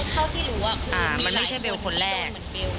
เท่าที่รู้มันไม่ใช่เบลคนแรก